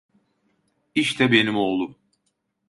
İşte benim oğlum!